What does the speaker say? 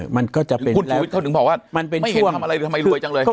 มันก็จะเป็นแล้วคุณผู้ชีวิตเขาถึงบอกว่าไม่เห็นทำอะไรทำไมรวยจังเลย